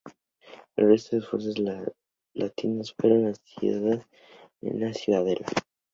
El resto de las fuerzas latinas fueron asediadas en la ciudadela.